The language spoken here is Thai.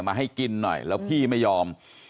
มาให้กินหน่อยแล้วพี่ไม่ยอม